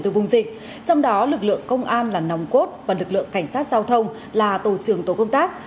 trong đó lực lượng công an là nòng cốt và lực lượng cảnh sát giao thông là tổ trưởng tổ công tác